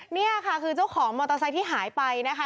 นี่ค่ะคือเจ้าของมอเตอร์ไซค์ที่หายไปนะคะ